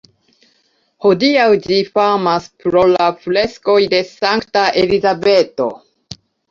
Hodiaŭ ĝi famas pro la freskoj de Sankta Elizabeto.